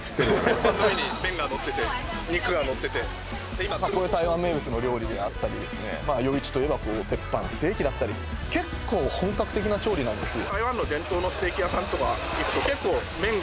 鉄板の上に麺がのってて肉がのっててこういう台湾名物の料理であったりですね夜市といえば鉄板ステーキだったり結構本格的な調理なんですよ